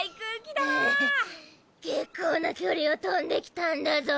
けっこうな距離を飛んできたんだぞ。